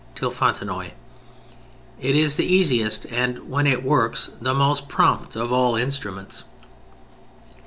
till Fontenoy. It is the easiest and (when it works) the most prompt of all instruments.